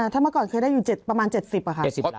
ถ้าเมื่อก่อนเคยได้อยู่ประมาณ๗๐ค่ะ